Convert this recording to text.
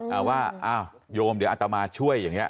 เอาว่าอ้าวโยมเดี๋ยวอัตมาช่วยอย่างนี้